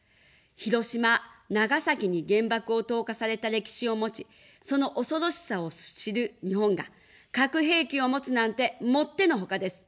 広島・長崎に原爆を投下された歴史を持ち、その恐ろしさを知る日本が、核兵器を持つなんてもってのほかです。